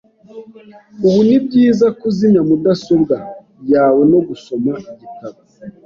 Ubu ni byiza kuzimya mudasobwa yawe no gusoma igitabo.